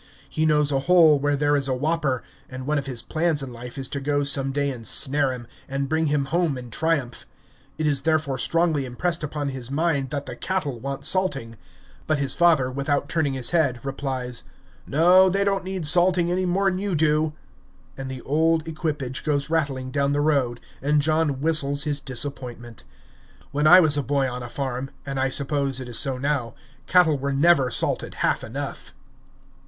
He knows a hole where there is a whopper; and one of his plans in life is to go some day and snare him, and bring him home in triumph. It is therefore strongly impressed upon his mind that the cattle want salting. But his father, without turning his head, replies, "No, they don't need salting any more 'n you do!" And the old equipage goes rattling down the road, and John whistles his disappointment. When I was a boy on a farm, and I suppose it is so now, cattle were never salted half enough!